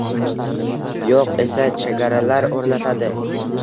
“yo‘q” esa chagaralar o‘rnatadi.